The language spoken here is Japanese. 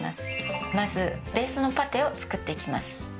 まずベースのパテを作っていきます。